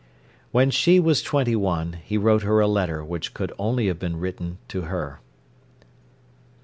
When she was twenty one he wrote her a letter which could only have been written to her.